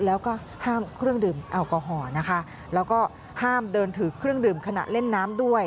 แล้วก็ห้ามเครื่องดื่มแอลกอฮอล์นะคะแล้วก็ห้ามเดินถือเครื่องดื่มขณะเล่นน้ำด้วย